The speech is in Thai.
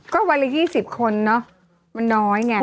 ก็วันละ๒๐คนเนอะมันน้อยไง